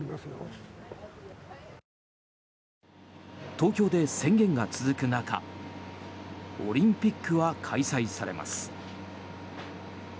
東京で宣言が続く中オリンピックは開催されます。